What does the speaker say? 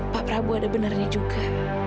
pak prabowo ada benarnya juga